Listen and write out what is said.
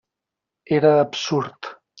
Era absurd.